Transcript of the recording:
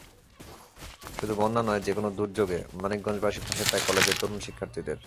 শুধু বন্যা নয়, যেকোনো দুর্যোগে মানিকগঞ্জবাসী পাশে পায় কলেজের তরুণ শিক্ষার্থীদের।